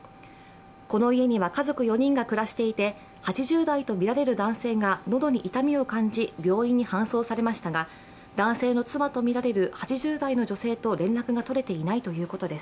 この家には家族４人が暮らしていて８０代とみられる男性が喉に痛みを感じ病院に搬送されましたが男性の妻とみられる８０代の女性と連絡が取れていないということです。